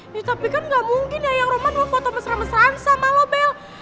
ya tapi kan gak mungkin ya yang roman lo foto mesra mesraan sama lo bel